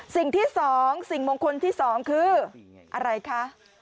สิ่งที่๒สิ่งมงคลที่๒คืออะไรคะ